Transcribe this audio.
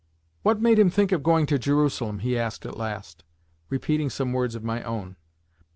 "What made him think of going to Jerusalem?" he asked at last, repeating some words of my own.